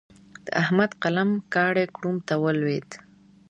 د احمد قلم کاڼی کوړم ته ولوېد.